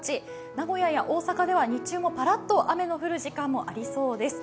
名古屋や大阪では日中もパラッと雨の降る時間がありそうです。